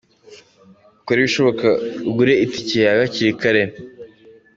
Ukore ibishoboka ugure itike yawe hakiri kare…”.